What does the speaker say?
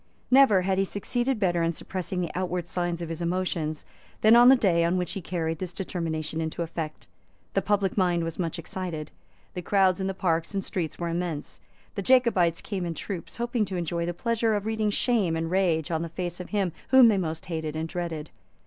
Never had he succeeded better in suppressing the outward signs of his emotions than on the day on which he carried this determination into effect. The public mind was much excited. The crowds in the parks and streets were immense. The Jacobites came in troops, hoping to enjoy the pleasure of reading shame and rage on the face of him whom they most hated and dreaded.